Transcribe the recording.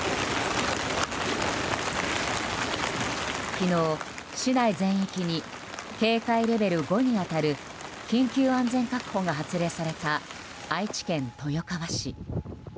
昨日、市内全域に警戒レベル５に当たる緊急安全確保が発令された愛知県豊川市。